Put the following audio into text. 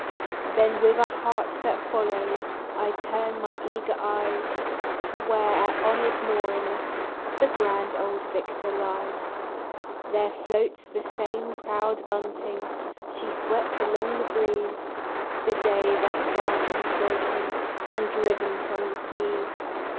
Then with a heart that follows I turn my eager eyes To where at honored moorings The grand old victor lies. There floats the same proud bunting She swept along the breeze The day that France was broken And driven from the seas.